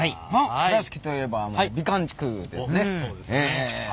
倉敷といえば美観地区ですね。